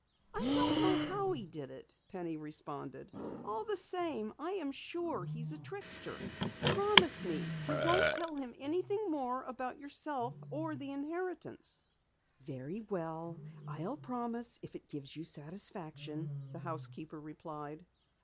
"I don't know how he did it," Penny responded. "All the same, I am sure he's a trickster. Promise me you won't tell him anything more about yourself or the inheritance." "Very well, I'll promise if it gives you satisfaction," the housekeeper replied.